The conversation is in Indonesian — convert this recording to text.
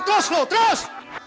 terus lo terus